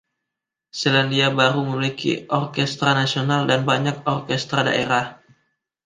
Selandia Baru memiliki orkestra nasional dan banyak orkestra daerah.